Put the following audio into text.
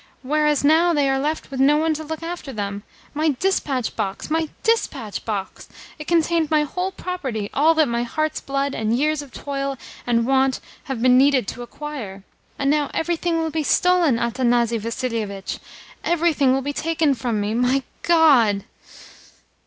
Whereas now they are left with no one to look after them! My dispatch box, my dispatch box! It contained my whole property, all that my heart's blood and years of toil and want have been needed to acquire. And now everything will be stolen, Athanasi Vassilievitch everything will be taken from me! My God!"